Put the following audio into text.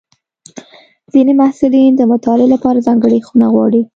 ځینې محصلین د مطالعې لپاره ځانګړې خونه غواړي.